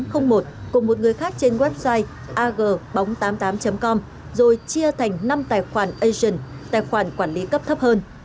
hưng lấy dte bốn mươi tám nghìn tám trăm linh một cùng một người khác trên website agbóng tám mươi tám com rồi chia thành năm tài khoản asian tài khoản quản lý cấp thấp hơn